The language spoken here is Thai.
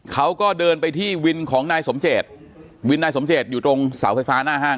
เขาก็เดินไปที่วินของนายสมเจตวินนายสมเจตอยู่ตรงเสาไฟฟ้าหน้าห้าง